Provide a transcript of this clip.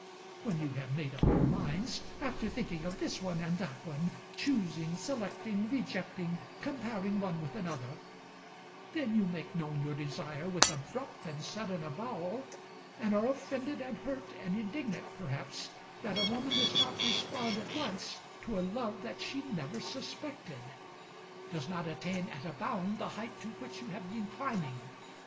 When you have made up your minds, after thinking of this one and that one, Choosing, selecting, rejecting, comparing one with another, Then you make known your desire, with abrupt and sudden avowal, And are offended and hurt, and indignant perhaps, that a woman Does not respond at once to a love that she never suspected, Does not attain at a bound the height to which you have been climbing.